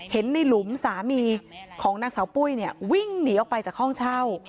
เห็นในหลุมสามีของนางสาวปุ้ยเนี่ยวิ่งหนีออกไปจากห้องเช่า